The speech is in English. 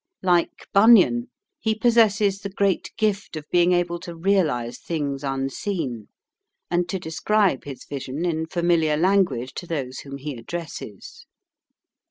Like Bunyan, he possesses the great gift of being able to realise things unseen, and to describe his vision in familiar language to those whom he addresses.